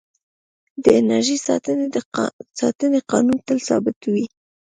د انرژۍ ساتنې قانون تل ثابت وي.